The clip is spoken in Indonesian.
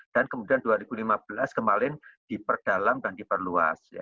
dan kemudian dua ribu lima belas kembali diperdalam dan diperluas